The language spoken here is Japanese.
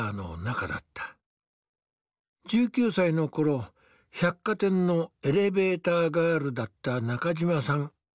１９歳の頃百貨店のエレベーターガールだった中嶋さん。